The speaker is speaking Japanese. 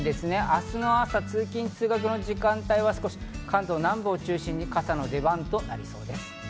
明日の朝、通勤・通学の時間帯は関東南部を中心に傘の出番となりそうです。